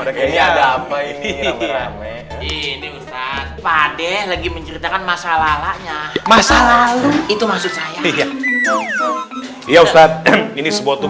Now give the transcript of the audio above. lagi menceritakan masalahnya masalah itu maksud saya ya ustadz ini sebuah tugas